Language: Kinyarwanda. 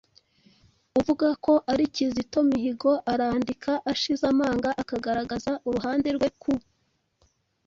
uvuga ko ari Kizito Mihigo arandika ashize amanga akagaragaza uruhande rwe ku